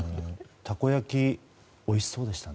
たこ焼きおいしそうでしたね。